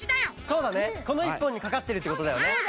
そうだねこの１ぽんにかかってるってことだよね。